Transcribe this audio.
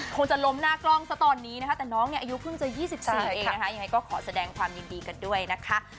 คงจะล้มหน้ากล้องซะตอนนี้นะคะแต่น้องเนี่ยอายุเพิ่งจะ๒๔เองนะคะยังไงก็ขอแสดงความยินดีกันด้วยนะคะ